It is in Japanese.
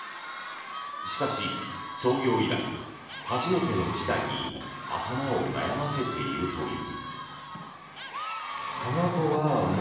しかし、創業以来初めての事態に頭を悩ませているという。